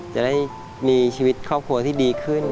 จะได้มีชีวิตครอบครัวที่ดีขึ้น